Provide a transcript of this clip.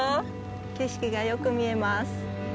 景色がよく見えます。